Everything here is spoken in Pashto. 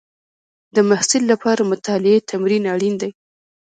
د محصل لپاره مطالعې تمرین اړین دی.